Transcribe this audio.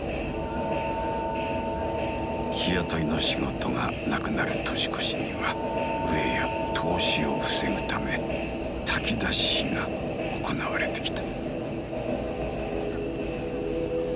日雇いの仕事がなくなる年越しには飢えや凍死を防ぐため炊き出しが行われてきた。